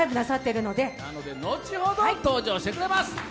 後ほど登場してくれます。